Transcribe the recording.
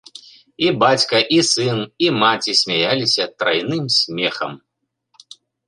І бацька і сын, і маці смяяліся трайным смехам.